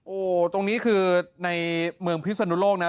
โอ้โหตรงนี้คือในเมืองพิศนุโลกนะ